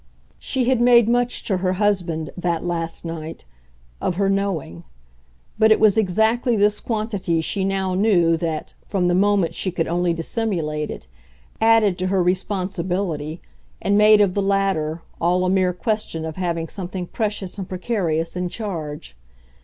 She had made much to her husband, that last night, of her "knowing"; but it was exactly this quantity she now knew that, from the moment she could only dissimulate it, added to her responsibility and made of the latter all a mere question of having something precious and precarious in charge.